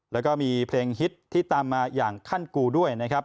แล้วก็มีเพลงฮิตที่ตามมาอย่างขั้นกูด้วยนะครับ